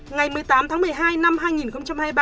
ngày một mươi tám tháng một mươi hai năm hai nghìn hai mươi ba